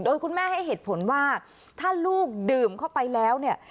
โดยคุณแม่ให้เหตุผลว่าถ้าลูกดื่มเข้าไปแล้วเนี่ย